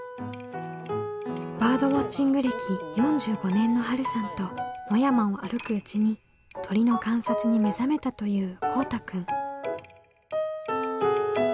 バードウォッチング歴４５年のはるさんと野山を歩くうちに鳥の観察に目覚めたというこうたくん。